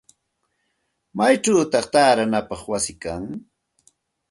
¿Maychawta taaranapaq wayi kan?